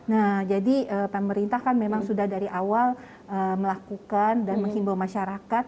nah jadi pemerintah kan memang sudah dari awal melakukan dan menghimbau masyarakat